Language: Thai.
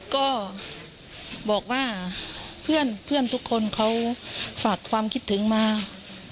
ก็บอกว่าเพื่อนทุกคนเขาฝากความคิดถึงมา